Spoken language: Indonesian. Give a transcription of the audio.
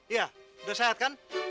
iya udah sehat kan